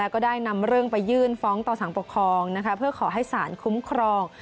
ก็ได้นำเรื่องไปยื่นฟ้องต่อสารปกครองเพื่อขอให้สารคุ้มครอง